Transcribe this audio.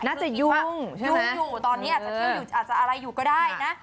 ไม่อยากจะยุ่งตอนนี้อาจจะเที่ยวอร่อยอยู่ก็ได้นะ